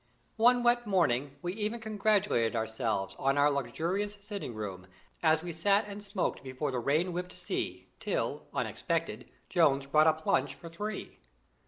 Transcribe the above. One wet morning we even congratulated ourselves on our luxurious sitting room, as we sat and smoked before the rain whipt sea, till, unexpected, Jones brought up lunch for three.